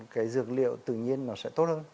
cái dược liệu tự nhiên nó sẽ tốt hơn